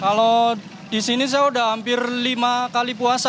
kalau di sini saya sudah hampir lima kali puasa